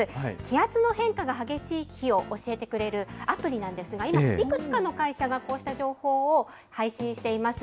気圧の変化が激しい日を教えてくれるアプリなんですが、今、いくつかの会社がこうした情報を配信しています。